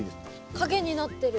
影になってる。